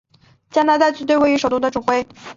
加拿大军队由位于首都渥太华的指挥。